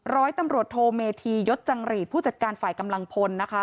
ร้อยตำรวจโทเมธียศจังหรีดผู้จัดการฝ่ายกำลังพลนะคะ